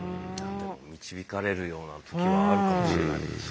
導かれるような時はあるかもしれないです。